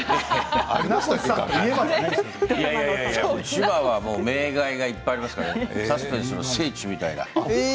千葉は名崖がいっぱいありますからサスペンスの聖地みたいな。